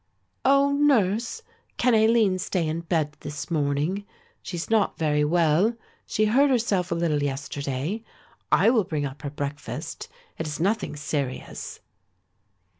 "Oh, nurse, can Aline stay in bed this morning? She is not very well; she hurt herself a little yesterday. I will bring up her breakfast; it is nothing serious."